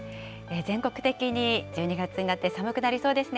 全国的に１２月になって寒くなりそうですね。